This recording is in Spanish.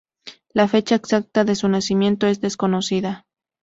La fecha exacta de su nacimiento es desconocida.